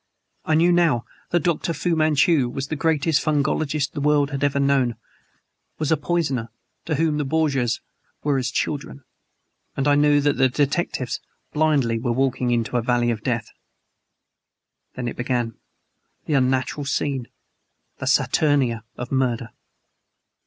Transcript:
I knew, now, that Dr. Fu Manchu was the greatest fungologist the world had ever known; was a poisoner to whom the Borgias were as children and I knew that the detectives blindly were walking into a valley of death. Then it began the unnatural scene the saturnalia of murder.